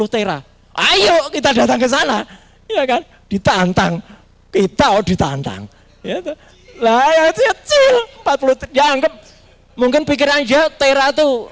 tera zana gitu ya